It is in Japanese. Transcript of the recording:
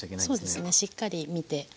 そうですねしっかり見て。